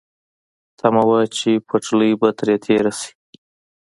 تمه وه چې پټلۍ به ترې تېره شي.